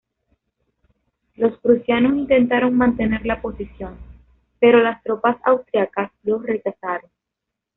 Los prusianos intentaron mantener la posición, pero las tropas austriacas los rechazaron.